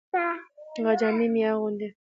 هغه جامي اغوندي .